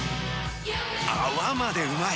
泡までうまい！